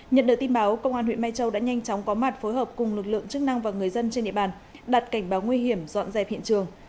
nhận được tin báo công an huyện mai châu đã nhanh chóng có mặt phối hợp cùng lực lượng chức năng và người dân trên địa bàn đặt cảnh báo nguy hiểm dọn dẹp hiện trường